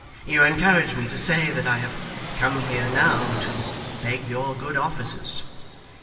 'You encourage me to say that I have come here now, to beg your good offices.